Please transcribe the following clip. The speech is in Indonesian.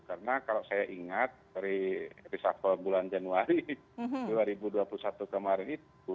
karena kalau saya ingat dari risako bulan januari dua ribu dua puluh satu kemarin itu